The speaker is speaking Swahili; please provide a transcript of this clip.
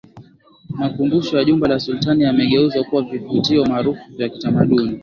Makumbusho ya Jumba la Sultani yamegeuzwa kuwa vivutio maarufu vya kitamaduni